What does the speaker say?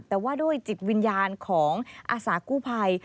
แต่ว่าด้วยจิตวิญญาณของอาสากู้ภัย